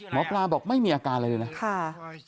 หมอปลาบอกไม่มีอาการอะไรเลยนะ